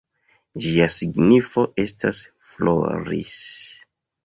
Ĝia signifo estas “floris”.